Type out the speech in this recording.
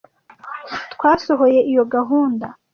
Twasohoye iyo gahunda.